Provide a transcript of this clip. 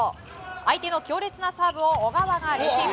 相手の強烈なサーブを小川がレシーブ。